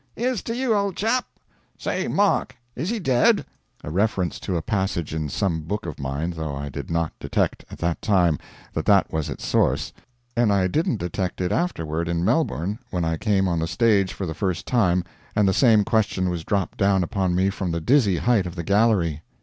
"Here's to you, old chap! "Say Mark! is he dead?" a reference to a passage in some book of mine, though I did not detect, at that time, that that was its source. And I didn't detect it afterward in Melbourne, when I came on the stage for the first time, and the same question was dropped down upon me from the dizzy height of the gallery.